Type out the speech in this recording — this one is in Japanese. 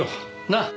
なあ？